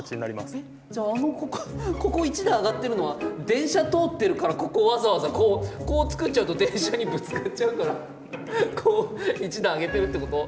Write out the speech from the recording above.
えっじゃああのここ１段上がってるのは電車通ってるからここをわざわざこうこう造っちゃうと電車にぶつかっちゃうからこう１段上げてるってこと？